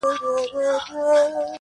د دلدار د فراق غم را باندي ډېر سو.!